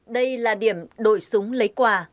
đây là điểm đổi súng lấy quà